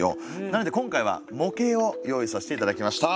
なので今回は模型を用意させて頂きました。